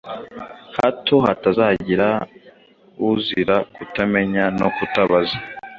Hato hatazagira uzira kutamenya no kutabaza,